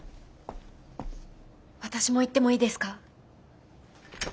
私も行ってもいいですか？